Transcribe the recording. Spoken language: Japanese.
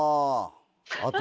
あと。